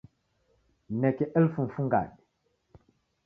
Nineke elfu mfungade